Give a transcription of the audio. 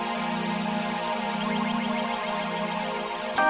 alda ayo kita ke rumah sakit ya